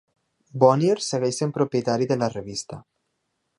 Bonnier segueix sent propietari de la revista.